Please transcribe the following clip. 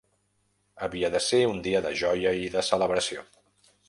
Havia de ser un dia de joia i de celebració.